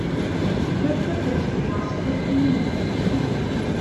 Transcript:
Look for a picture of Masters of the Universe: The Super Adventure